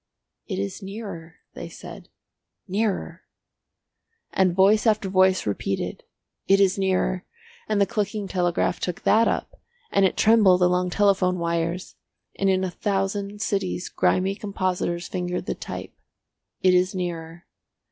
"It is nearer," they said. "Nearer!" And voice after voice repeated, "It is nearer," and the clicking telegraph took that up, and it trembled along telephone wires, and in a thousand cities grimy compositors fingered the type. "It is nearer."